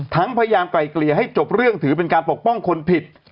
พยายามไกลเกลี่ยให้จบเรื่องถือเป็นการปกป้องคนผิด